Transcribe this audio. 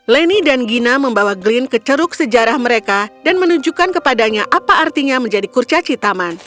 leni dan gina membawa glen ke ceruk sejarah mereka dan menunjukkan kepadanya apa artinya menjadi kurcaci taman